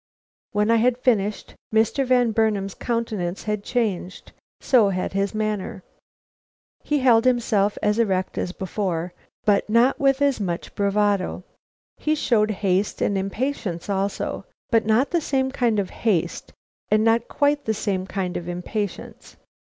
When I had finished, Mr. Van Burnam's countenance had changed, so had his manner. He held himself as erect as before, but not with as much bravado. He showed haste and impatience also, but not the same kind of haste and not quite the same kind of impatience.